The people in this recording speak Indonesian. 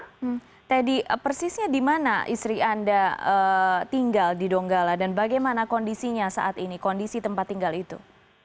hmm teddy persisnya di mana istri anda tinggal di donggala dan bagaimana kondisinya saat ini kondisi tempat tinggal itu